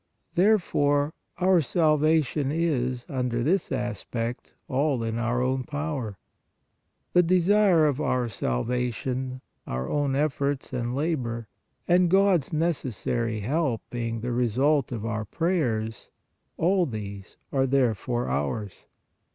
Therefore, our salvation is, under this aspect all in our own power. The desire of our salvation, our own efforts and labor, and God s necessary help being the result of our prayers, all these are therefore ours.